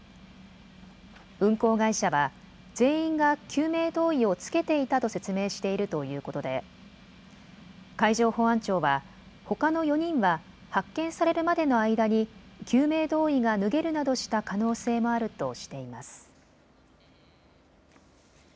運航会社は全員が救命胴衣を着けていたと説明しているということで海上保安庁はほかの４人は発見されるまでの間に救命胴衣が脱げるなどした可能性もあるとしています。